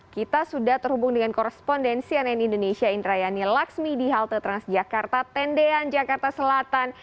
kita sudah terhubung dengan koresponden cnn indonesia indrayani laksmi di halte transjakarta tendean jakarta selatan